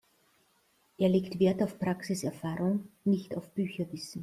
Er legt wert auf Praxiserfahrung, nicht auf Bücherwissen.